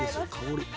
香り。